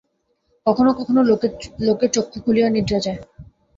কখনও কখনও লোকে চক্ষু খুলিয়া নিদ্রা যায়।